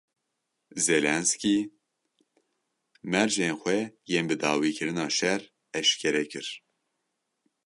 Zelenskiy mercên xwe yên bidawîkirina şer eşkere kir.